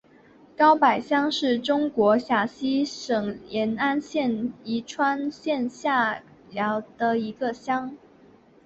高柏乡是中国陕西省延安市宜川县下辖的一个乡。